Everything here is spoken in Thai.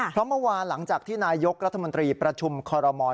เพราะเมื่อวานหลังจากที่นายกรัฐมนตรีประชุมคอรมอล